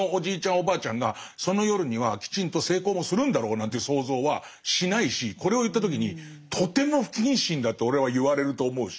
おばあちゃんがその夜にはきちんと性交もするんだろうなんていう想像はしないしこれを言った時にとても不謹慎だって俺は言われると思うし。